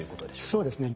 そうですね。